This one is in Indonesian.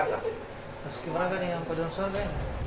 pas kibra kan yang padang soal ini